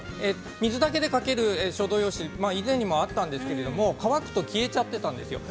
水だけで書ける書道用紙は以前にもあったんですけれども、乾くと消えちゃってたんですよ。